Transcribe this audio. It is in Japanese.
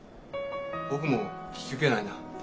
僕も引き受けないな。